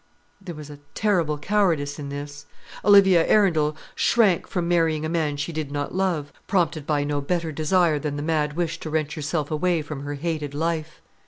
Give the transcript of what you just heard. There was a terrible cowardice in this. Olivia Arundel shrank from marrying a man she did not love, prompted by no better desire than the mad wish to wrench herself away from her hated life.